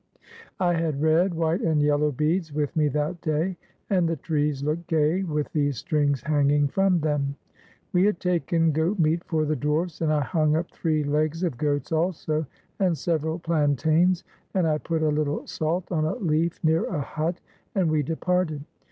I had red, white, and yellow beads with me that day, and the trees looked gay with these strings hanging from them. We had taken goat meat for the dwarfs, and I hung up three legs of goats also, and several plantains, and I put a little salt on a leaf near a hut, and we de parted.